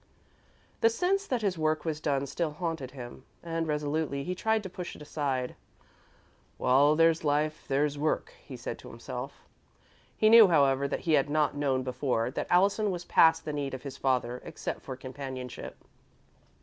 The sense that his work was done still haunted him, and, resolutely, he tried to push it aside. "While there's life, there's work," he said to himself. He knew, however, as he had not known before, that Allison was past the need of his father, except for companionship.